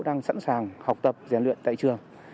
đang sẵn sàng học tập rèn luyện tại trường